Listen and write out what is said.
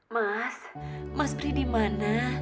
mas mas pri dimana